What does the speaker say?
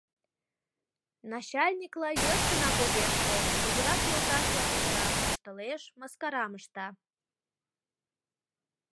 Начальникла йӧршынак огеш кой, кугурак йолташла кутыра, воштылеш, мыскарам ышта.